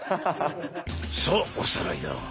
さあおさらいだ。